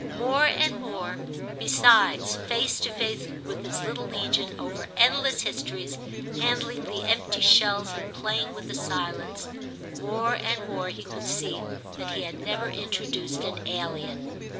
More and more, besides, face to face with his little legion, over endless histories, handling the empty shells and playing with the silence—more and more he could see that he had never introduced an alien.